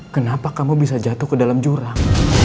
kenapa kamu bisa jatuh ke dalam jurang